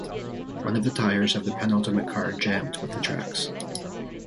One of the tires of the penultimate car jammed with the tracks.